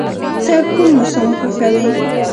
ته کوم موسم خوښوې؟